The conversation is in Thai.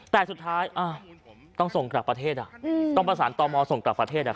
แต่สุดท้ายต้องส่งกลับประเทศอ่ะต้องประสานต่อมอส่งกลับประเทศ